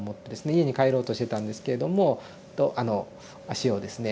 家に帰ろうとしてたんですけれども足をですね